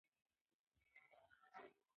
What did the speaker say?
انارګل په ډېر همت سره خپل غږ لوړ کړ.